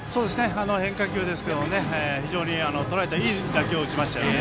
変化球ですけれども非常にとらえたいい打球を打ちましたよね。